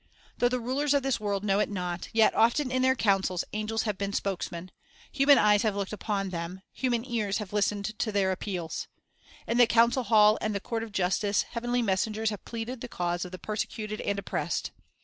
Though the rulers of this world know it not, yet often in their councils angels have been spokesmen. Ansel Ministry Human eyes have looked upon them. Human ears have listened to their appeals. In the council hall and the court of justice, heavenly messengers have pleaded the cause of the persecuted and oppressed.